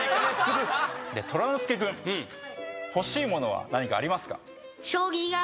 とらのすけ君欲しいものは何かありますか？